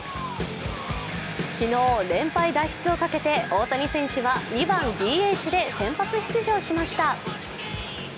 昨日、連敗脱出をかけて大谷選手は２番・ＤＨで先発出場しました。